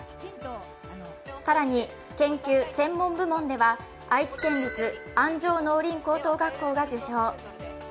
更に、研究・専門部門では、愛知県立安城農林高等学校が受賞。